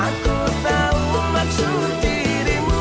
aku tahu maksud dirimu